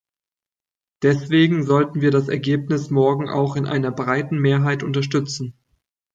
Deswegen sollten wir das Ergebnis morgen auch in einer breiten Mehrheit unterstützen.